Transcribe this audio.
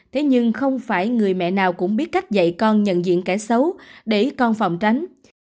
thế nhưng không phải người mẹ nào cũng biết cách dạy con nhận diện kẻ xấu để con phòng tránh